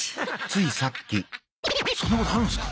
そんなことあるんすか？